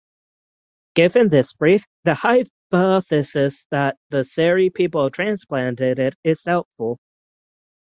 Given this belief, the hypothesis that the Seri people transplanted it is doubtful.